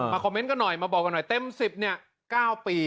คอมเมนต์กันหน่อยมาบอกกันหน่อยเต็ม๑๐เนี่ย๙ปี